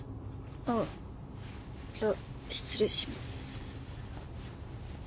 あじゃあ失礼します。